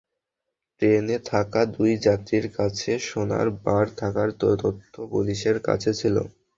ট্রেনে থাকা দুই যাত্রীর কাছে সোনার বার থাকার তথ্য পুলিশের কাছে ছিল।